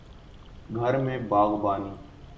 گھر میں باغبانی